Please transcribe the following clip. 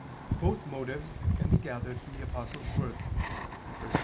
Both motives can be gathered from the Apostle's words (1 Cor.